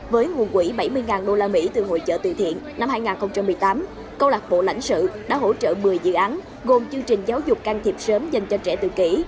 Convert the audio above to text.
với nguồn quỹ bảy mươi usd từ hội trợ từ thiện năm hai nghìn một mươi tám câu lạc bộ lãnh sự đã hỗ trợ một mươi dự án gồm chương trình giáo dục can thiệp sớm dành cho trẻ tự kỷ